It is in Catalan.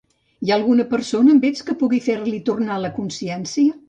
Hi ha alguna persona, amb ells, que pugui fer-li tornar la consciència?